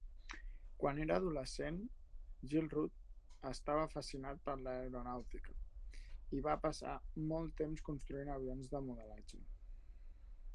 Quan era adolescent, Gilruth estava fascinat per l'aeronàutica i va passar molt temps construint avions de modelatge.